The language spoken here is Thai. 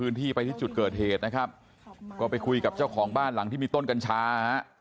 ที่ไปที่จุดเกิดเหตุนะครับก็ไปคุยกับเจ้าของบ้านหลังที่มีต้นกัญชาฮะ